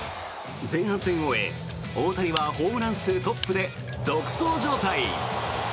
前半戦を終え、大谷はホームラン数トップで独走状態。